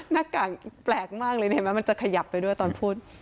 หน้ากากแปลกมากเลยเห็นไหมมันจะขยับไปด้วยตอนพูด